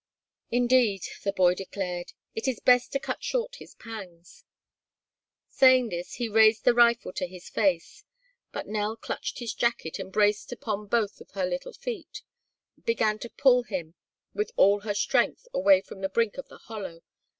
"Indeed," the boy declared, "it is best to cut short his pangs." Saying this, he raised the rifle to his face, but Nell clutched his jacket and, braced upon both of her little feet, began to pull him with all her strength away from the brink of the hollow.